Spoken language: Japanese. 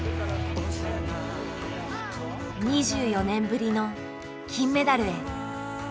２４年ぶりの金メダルへ。